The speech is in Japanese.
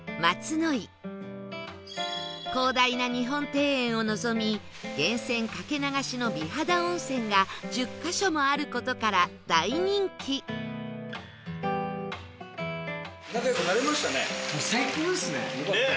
広大な日本庭園を望み源泉掛け流しの美肌温泉が１０カ所もある事から大人気ねえ。